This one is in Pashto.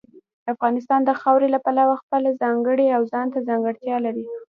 افغانستان د خاورې له پلوه خپله ځانګړې او ځانته ځانګړتیا لري.